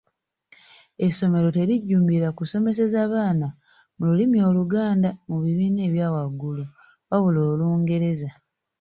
Essomero terijjumbira kusomeseza baana mu lulimi Oluganda mu bibiina ebya waggulu wabula Olungereza.